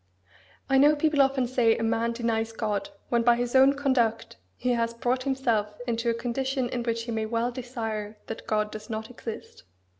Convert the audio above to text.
I know people often say, a man denies God when by his own conduct he has brought himself into a condition in which he may well desire that God does not exist.